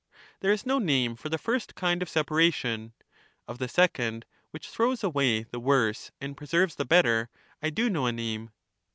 There is no name for the first kind of separation ; of rates like 'be second, which throws away the worse and preserves the from like, better, I do know a name.